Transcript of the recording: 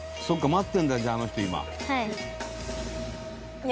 待ってるんだじゃああの人今」